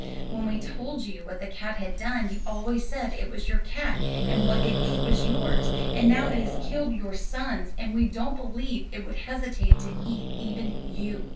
When we told you what the cat had done, you always said it was your cat, and what it ate was yours, and now it has killed your sons, and we don't believe it would hesitate to eat even you."